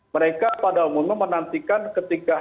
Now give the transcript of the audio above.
mereka pada umumnya menantikan ketika